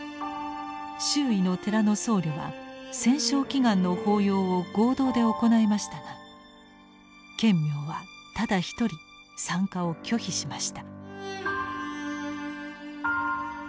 周囲の寺の僧侶は戦勝祈願の法要を合同で行いましたが顕明はただ一人参加を拒否しました。